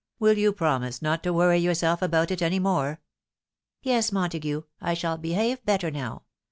WiU you promise not to worry yourself about it any more ?"" Yes, Montague. I shall behave better now.